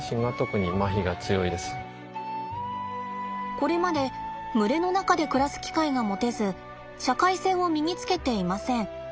これまで群れの中で暮らす機会が持てず社会性を身につけていません。